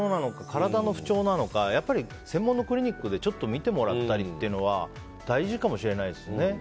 体の不調なのかやっぱり専門のクリニックで診てもらったりというのは大事かもしれないですね。